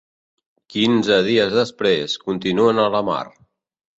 Quinze dies després, continuen a la mar.